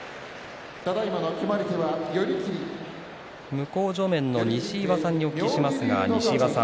向正面の西岩さんにお聞きします。